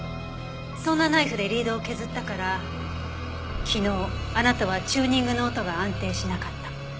そんなナイフでリードを削ったから昨日あなたはチューニングの音が安定しなかった。